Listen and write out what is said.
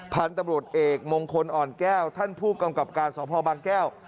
พันธุ์ตำรวจเอกมงคลอ่อนแก้วท่านผู้กำกับการสพบางแก้ว